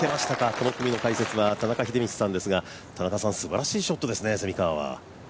この組の解説は、田中秀道さんですが、蝉川はすばらしいショットですね。